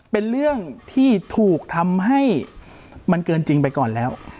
เป็นเรื่องที่ถูกทำให้มันเกินจริงไปก่อนแล้ว